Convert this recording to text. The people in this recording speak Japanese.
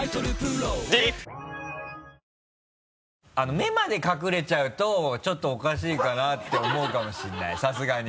目まで隠れちゃうとちょっとおかしいかなって思うかもしれないさすがに。